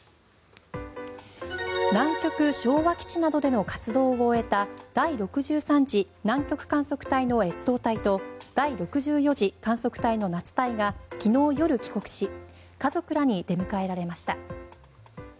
南極・昭和基地などでの活動を終えた第６３次南極観測隊の越冬隊と第６４次観測隊の夏隊が昨日夜帰国し家族らに出迎えられました。